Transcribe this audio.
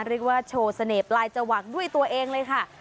เรียกว่าโชว์เสน่ห์ปลายจวักด้วยตัวเองเลยค่ะ